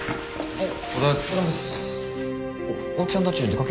はい。